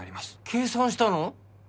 計算したの？